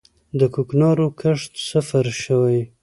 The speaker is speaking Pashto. د کوکنارو کښت صفر شوی؟